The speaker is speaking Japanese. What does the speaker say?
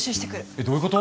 えっどういうこと？